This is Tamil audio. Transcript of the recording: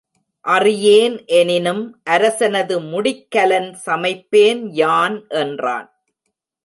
அறியேன் எனினும் அரசனது முடிக்கலன் சமைப்பேன் யான் என்றான்.